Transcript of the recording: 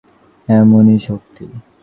অকপটতা, সাধু উদ্দেশ্য ও চিন্তার এমনই শক্তি।